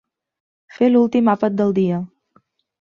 Fer l'últim àpat del dia.